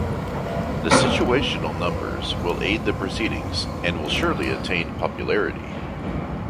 The situational numbers will aid the proceedings and will surely attain popularity.